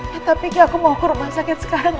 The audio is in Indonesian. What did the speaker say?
ya tapi kiki aku mau ke rumah sakit sekarang